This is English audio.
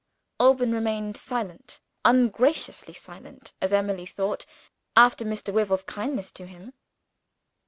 Alban remained silent ungraciously silent as Emily thought, after Mr. Wyvil's kindness to him.